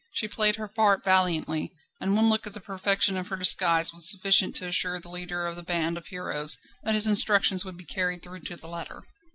She played her part valiantly, and one look at the perfection of her disguise was sufficient to assure the leader of this band of heroes that his instructions would be carried through to the letter.